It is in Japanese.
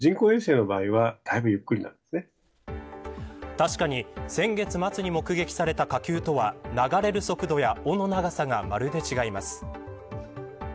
確かに先月末に目撃された火球とは流れる速度や、尾の長さがまるで違います。